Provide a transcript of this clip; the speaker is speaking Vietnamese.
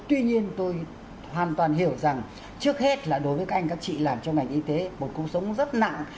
tuy nhiên tôi hoàn toàn hiểu rằng trước hết là đối với các anh các chị làm trong ngành y tế một cuộc sống rất nặng